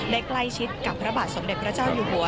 ใกล้ชิดกับพระบาทสมเด็จพระเจ้าอยู่หัว